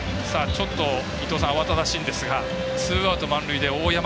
ちょっと、伊東さん慌ただしいんですがツーアウト、満塁で大山。